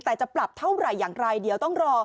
แต่จะปรับเท่าไหร่อย่างไรเดี๋ยวต้องรอ